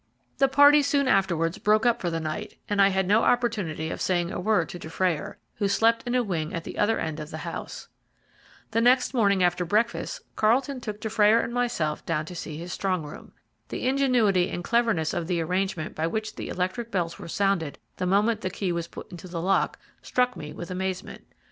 The party soon afterwards broke up for the night, and I had no opportunity of saying a word to Dufrayer, who slept in a wing at the other end of the house. The next morning after breakfast Carlton took Dufrayer and myself down to see his strong room. The ingenuity and cleverness of the arrangement by which the electric bells were sounded the moment the key was put into the lock struck me with amazement.